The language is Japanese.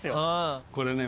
これね。